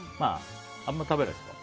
あんま食べないですか？